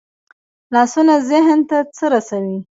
لاسونه ذهن ته څه رسوي